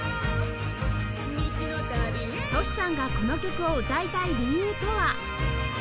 Ｔｏｓｈｌ さんがこの曲を歌いたい理由とは